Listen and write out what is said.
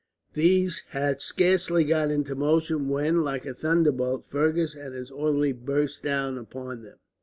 These had scarcely got into motion when, like a thunderbolt, Fergus and his orderly burst down upon them.